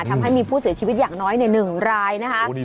ทำให้มีผู้เสียชีวิตอย่างน้อย๑รายนะคะ